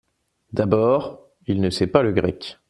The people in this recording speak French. D’abord… il ne sait pas le grec…